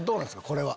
これは。